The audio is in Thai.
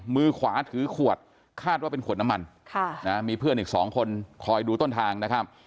มือขวาถือขวดคาดว่าเป็นขวดน้ำมันมีเพื่อนอีกสองคนคอยดูต้นทางนะครับ